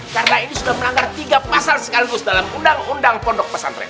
karena ini sudah menanggar tiga pasal sekaligus dalam undang undang kondok pesantren